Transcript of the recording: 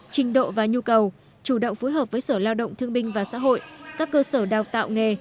trình độ và nhu cầu chủ động phối hợp với sở lao động thương binh và xã hội các cơ sở đào tạo nghề